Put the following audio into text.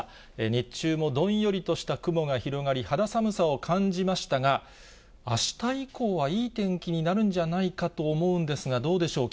日中もどんよりとした雲が広がり、肌寒さを感じましたが、あした以降はいい天気になるんじゃないかと思うんですが、どうでしょう。